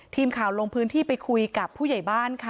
ทีมข่าวลงพื้นที่ไปคุยกับผู้ใหญ่บ้านค่ะ